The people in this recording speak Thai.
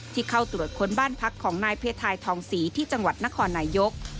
เข้าตรวจค้นบ้านพักของนายเพทายทองศรีที่จังหวัดนครนายก